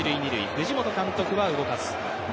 藤本監督は動かず。